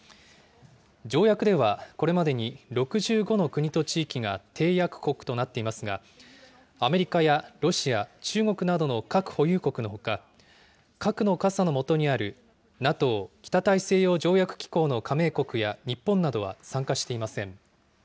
条約では、これまでに６５の国と地域が締約国となっていますが、アメリカやロシア、中国などの核保有国のほか、核の傘のもとにあるＮＡＴＯ・北大西洋条約機構の加盟国や日本などは参加していません。